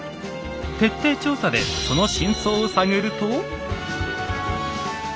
徹底調査でその真相を探ると。